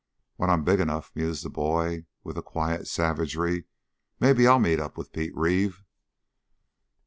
"When I'm big enough," mused the boy with a quiet savagery, "maybe I'll meet up with Pete Reeve."